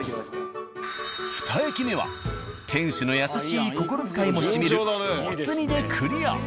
２駅目は店主の優しい心遣いもしみるもつ煮でクリア。